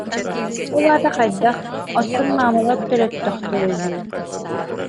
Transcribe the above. Ол аата хайдах, оттон маамалар төрөттөхтөрө дии